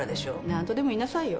何とでも言いなさいよ。